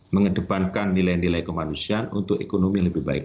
mengedepankan nilai nilai kemanusiaan untuk ekonomi lebih baik